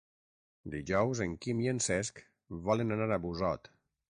Dijous en Quim i en Cesc volen anar a Busot.